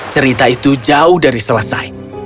cerita itu jauh dari selesai